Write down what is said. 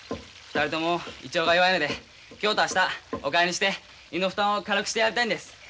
２人とも胃腸が弱いので今日と明日おかゆにして胃の負担を軽くしてやりたいんです。